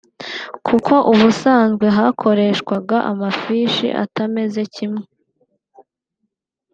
kuko ubusanzwe hakoreshwaga amafishi atameze kimwe